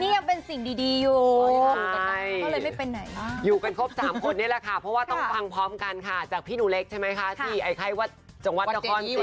นี่ยังเป็นสิ่งดีอยู่